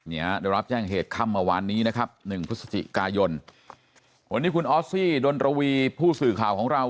ได้รับแจ้งเหตุค่ำเมื่อวานนี้นะครับ๑พฤศจิกายนวันนี้คุณออสซี่ดนรวีผู้สื่อข่าวของเรา